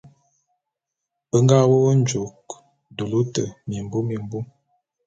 Be nga wu nju'u dulu te mimbi mimbu.